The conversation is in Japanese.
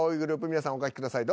皆さんお書きください。